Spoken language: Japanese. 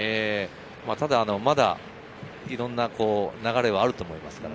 ただ、まだいろんな流れはあると思いますから。